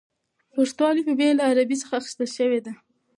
پښتو الفبې له عربي څخه اخیستل شوې ده.